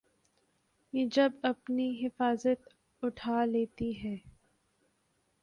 یہ جب اپنی حفاظت اٹھا لیتی ہے۔